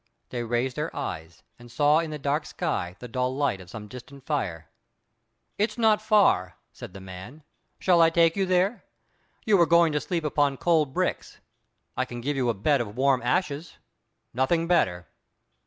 They raised their eyes, and saw in the dark sky the dull light of some distant fire. "It's not far," said the man. "Shall I take you there? You were going to sleep upon cold bricks; I can give you a bed of warm ashes, nothing better."